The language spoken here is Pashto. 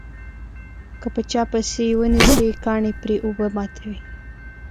که په چا پسې یې ونسي کاڼي پرې اوبه ماتوي.